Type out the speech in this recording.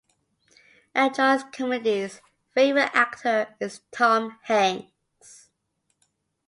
Enjoys comedies; favorite actor is Tom Hanks.